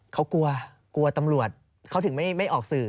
เขากลัวกลัวตำรวจเขาถึงไม่ออกสื่อ